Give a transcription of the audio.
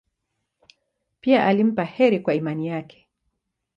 Pia alimpa heri kwa imani yake.